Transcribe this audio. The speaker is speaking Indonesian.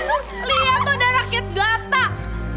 eh liat tuh ada rakyat gelap tak